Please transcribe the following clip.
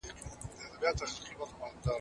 ځیني خلګ فکر کوي چي مشران هیڅکله اشتباه نه کوي.